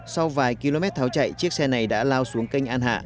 sau vài km tháo chạy chiếc xe này đã lao xuống kênh an hạ